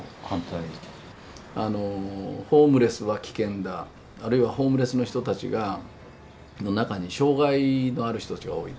ホームレスは危険だあるいはホームレスの人たちの中に障害のある人たちが多い。